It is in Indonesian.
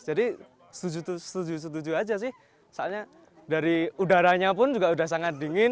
jadi setuju setuju aja sih soalnya dari udaranya pun juga sudah sangat dingin